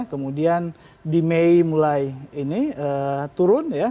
kemudian di mei mulai ini turun ya